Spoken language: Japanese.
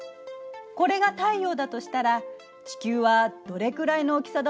これが太陽だとしたら地球はどれくらいの大きさだと思う？